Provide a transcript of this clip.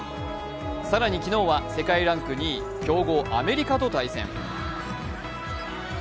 更に昨日は世界ランク２位、強豪・アメリカと対戦。